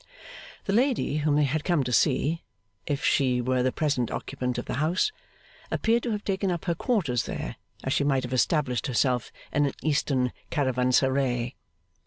The lady whom they had come to see, if she were the present occupant of the house, appeared to have taken up her quarters there as she might have established herself in an Eastern caravanserai.